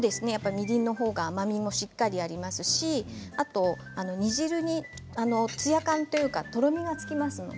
みりんのほうが甘みもしっかりありますし煮汁にツヤ感というかとろみがつきます。